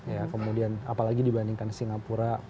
ya kemudian apalagi dibandingkan singapura